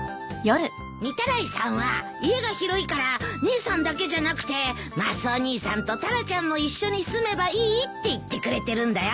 御手洗さんは家が広いから姉さんだけじゃなくてマスオ兄さんとタラちゃんも一緒に住めばいいって言ってくれてるんだよ。